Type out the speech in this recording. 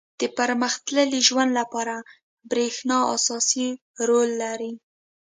• د پرمختللي ژوند لپاره برېښنا اساسي رول لري.